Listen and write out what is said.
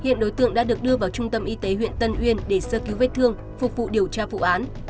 hiện đối tượng đã được đưa vào trung tâm y tế huyện tân uyên để sơ cứu vết thương phục vụ điều tra vụ án